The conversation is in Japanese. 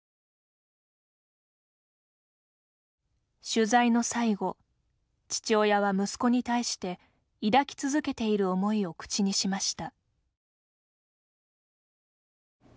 取材の最後父親は息子に対して抱き続けている思いを口にしました。